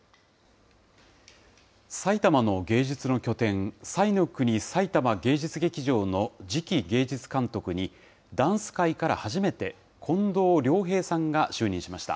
埼玉の芸術の拠点、彩の国さいたま芸術劇場の次期芸術監督に、ダンス界から初めて、近藤良平さんが就任しました。